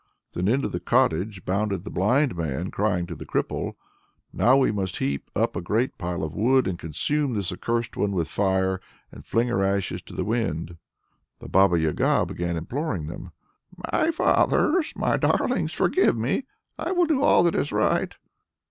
Then into the cottage bounded the blind man, crying to the cripple "Now we must heap up a great pile of wood, and consume this accursed one with fire, and fling her ashes to the wind!" The Baba Yaga began imploring them: "My fathers! my darlings! forgive me. I will do all that is right."